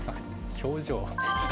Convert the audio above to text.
表情。